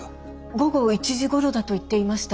午後１時ごろだと言っていました。